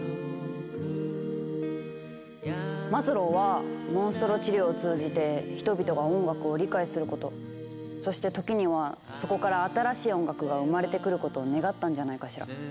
マズローはモンストロ治療を通じて人々が音楽を理解することそして時にはそこから「新しい音楽」が生まれてくることを願ったんじゃないかしら。